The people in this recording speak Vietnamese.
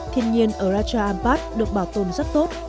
các đảo ở raja ampat được bảo tồn rất tốt